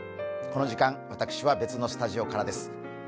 この時間、私は別のスタジオからです。